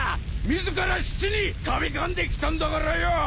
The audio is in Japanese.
自ら死地に飛び込んできたんだからよぉ！